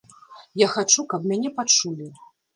Я хачу, каб мяне пачулі.